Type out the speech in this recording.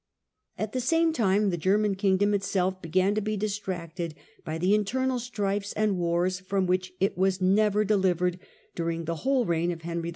At the same time the German kingdom itself began to be distracted by the internal strifes and wars from which it was never delivered during the whole reign of Henry IV.